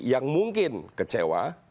yang mungkin kecewa